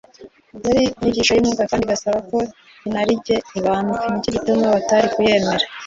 Yari inyigisho y’umwuka kandi igasaba ko inarijye ibambwa, nicyo gituma batari kuyemera